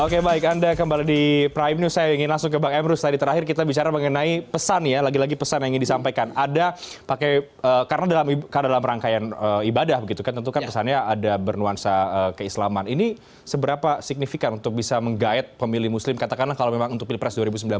oke baik anda kembali di prime news saya ingin langsung ke bang emrus tadi terakhir kita bicara mengenai pesan ya lagi lagi pesan yang ingin disampaikan ada pakai karena dalam rangkaian ibadah begitu kan tentu kan pesannya ada bernuansa keislaman ini seberapa signifikan untuk bisa menggayat pemilih muslim katakanlah kalau memang untuk pilpres dua ribu sembilan belas